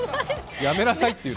やめなさいっていうの。